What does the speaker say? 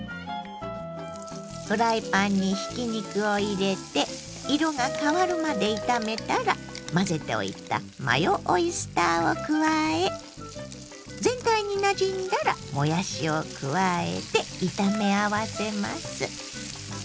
フライパンにひき肉を入れて色が変わるまで炒めたら混ぜておいたマヨオイスターを加え全体になじんだらもやしを加えて炒め合わせます。